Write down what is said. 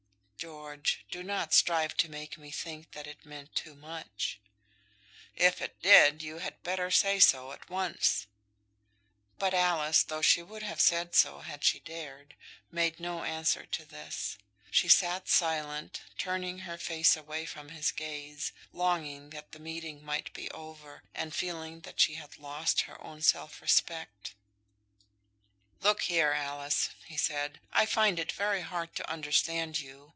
"George, do not strive to make me think that it meant too much." "If it did, you had better say so at once." But Alice, though she would have said so had she dared, made no answer to this. She sat silent, turning her face away from his gaze, longing that the meeting might be over, and feeling that she had lost her own self respect. "Look here, Alice," he said, "I find it very hard to understand you.